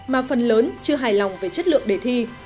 mà phần lớn chưa hài lòng về chất lượng đề thi